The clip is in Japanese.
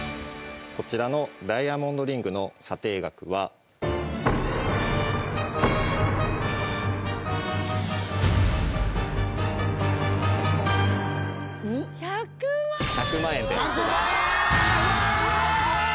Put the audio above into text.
こちらのダイヤモンドリングの査定額は１００万円でございますわぁ！